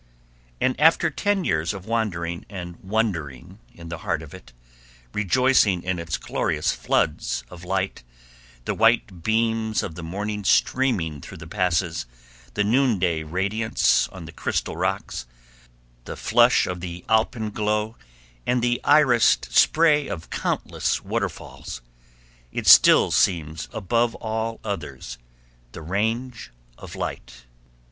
And after ten years of wandering and wondering in the heart of it, rejoicing in its glorious floods of light, the white beams of the morning streaming through the passes, the noonday radiance on the crystal rocks, the flush of the alpenglow, and the irised spray of countless waterfalls, it still seems above all others the Range of Light.